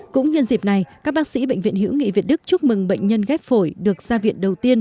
cũng nhân dịp này các bác sĩ bệnh viện hữu nghị việt đức chúc mừng bệnh nhân ghép phổi được ra viện đầu tiên